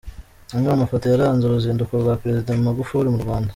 Amwe mu mafoto yaranze uruzinduko rwa Perezida Magufuli mu Rwanda.